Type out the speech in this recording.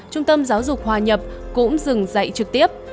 trung tâm giáo dục hòa nhập cũng dừng dạy trực tiếp